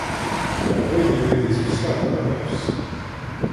На бой дивитись всяк галивсь.